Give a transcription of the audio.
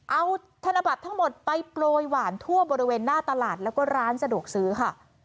เอาธนบัตรทั้งหมดไปโปรยหวานทั่วบริเวณหน้าตลาดแล้วก็ร้านสะดวกซื้อค่ะ